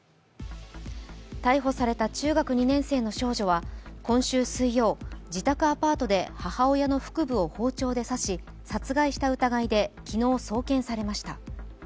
逮捕された中学２年生の少女は今週水曜、自宅アパートで母親の腹部を包丁で刺し、殺害した疑いで昨日、送検されました。